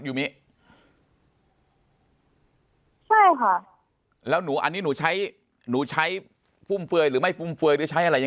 ใช่ค่ะแล้วหนูอันนี้หนูใช้ใช้ฟุ่มเฟื่อยหรือไม่ไม่ฟุ่มเฟื่อยยัง